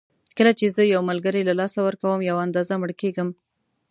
کله چې زه یو ملګری له لاسه ورکوم یوه اندازه مړ کېږم.